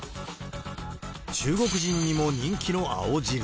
中国人にも人気の青汁。